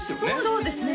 そうですね